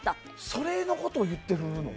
それのことを言ってるの。